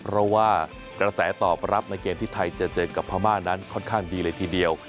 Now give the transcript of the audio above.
เพราะว่ากระแสตอบรับในเกมที่ไทยจะเจอกับพม่านั้นค่อนข้างดีเลยทีเดียว